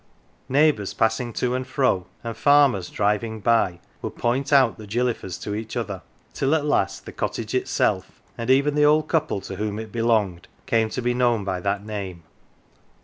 Neighbours passing to and fro and farmers driving by would point out the " gilly fers " to each other, till at last the cottage itself, and even the old couple to whom it belonged, came to be known by that name.